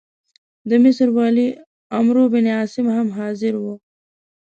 د مصر والي عمروبن عاص هم حاضر وو.